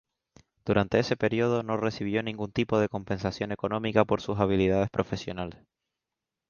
Durante ese periodo no recibió ningún tipo de compensación económica por sus habilidades profesionales.